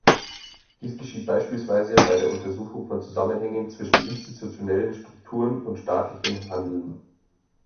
Dies geschieht beispielsweise bei der Untersuchung von Zusammenhängen zwischen institutionellen Strukturen und staatlichem Handeln.